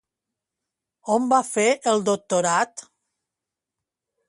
On va fer el doctorat?